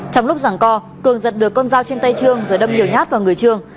trong lúc giảng co cường giật được con dao trên tay trương rồi đâm nhiều nhát vào người trường